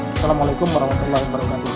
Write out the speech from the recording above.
assalamualaikum warahmatullahi wabarakatuh